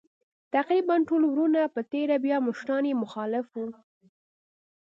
تقریباً ټول وروڼه په تېره بیا مشران یې مخالف وو.